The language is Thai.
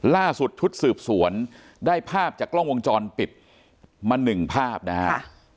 ล่าสุดชุดสืบสวนได้ภาพจากกล้องวงจรปิดมาหนึ่งภาพนะฮะ